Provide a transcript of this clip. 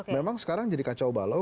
memang sekarang jadi kacau balau